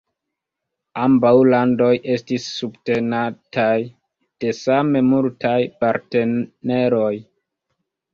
Ambaŭ landoj estis subtenataj de same multaj partneroj.